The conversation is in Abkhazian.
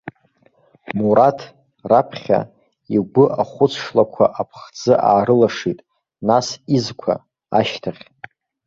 Мураҭ, раԥхьа, игәы ахәыц шлақәа аԥхӡы аарылашит, нас изқәа, ашьҭахь.